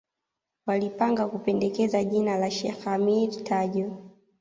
Walipanga kupendekeza jina la Sheikh Ameir Tajo